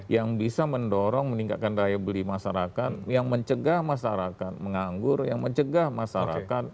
yang bisa mendorong meningkatkan daya beli masyarakat yang mencegah masyarakat menganggur yang mencegah masyarakat